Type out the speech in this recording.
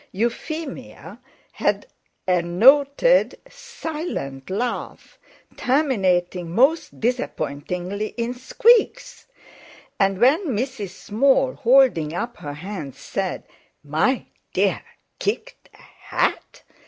Euphemia had a noted, silent laugh, terminating most disappointingly in squeaks; and when Mrs. Small, holding up her hands, said: "My dear! Kicked a ha at?"